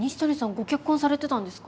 ご結婚されてたんですか？